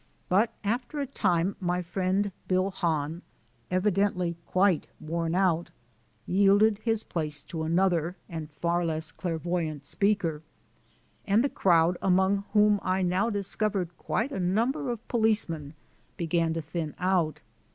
But after a time my friend Bill Hahn, evidently quite worn out, yielded his place to another and far less clairvoyant speaker, and the crowd, among whom I now discovered quite a number of policemen, began to thin out.